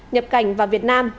nhập cảnh vào việt nam